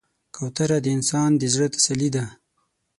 کوتره د انسان د زړه تسلي ده.